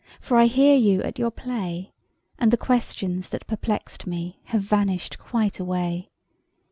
For I hear you at your play; And the questions that perplexed me Have vanished quite away.